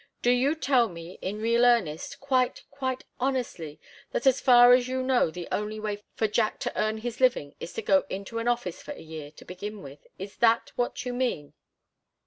Do you tell me, in real earnest, quite, quite honestly, that as far as you know the only way for Jack to earn his living is to go into an office for a year, to begin with? Is that what you mean?"